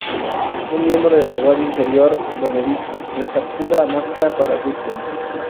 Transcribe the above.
Un miembro de la Guardia Interior, Benedict, recaptura a Máscara para Whitney.